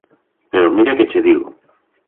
Pero mira que che digo.